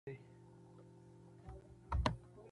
افغانستان د د هېواد مرکز په اړه علمي څېړنې لري.